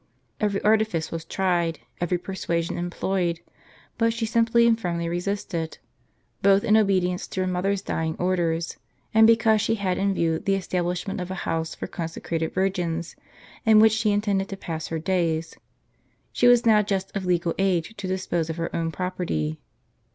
Every artifice was tried, every persuasion employed, but she simply and firmly resisted; both in obedience to her mother's dying orders, and because she had in view the establishment of a house for consecrated virgins, in which she intended to pass her days. She was now just of legal age to dispose of her own property.